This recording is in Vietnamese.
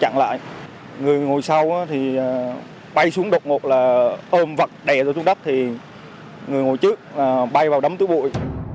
người ngồi sau thì bay xuống đột ngột là ôm vật đè ra xuống đất thì người ngồi trước bay vào đấm tứ bụi